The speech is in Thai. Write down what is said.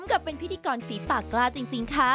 กับเป็นพิธีกรฝีปากกล้าจริงค่ะ